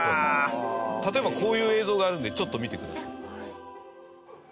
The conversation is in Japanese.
例えばこういう映像があるんでちょっと見てください。